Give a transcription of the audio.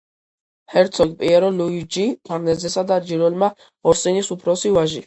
ჰერცოგ პიერო ლუიჯი ფარნეზესა და ჯიროლამა ორსინის უფროსი ვაჟი.